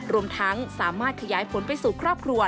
รวมทั้งสามารถขยายผลไปสู่ครอบครัว